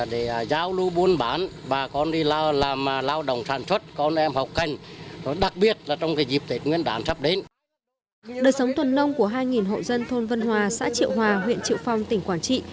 đời sống tuần nông của hai hộ dân thôn vân hòa xã triệu hòa huyện triệu phong tỉnh quảng trị